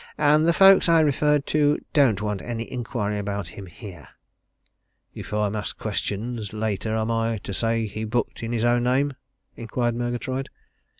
And the folks I referred to don't want any inquiry about him here." "If I am asked questions later am I to say he booked in his own name?" inquired Murgatroyd.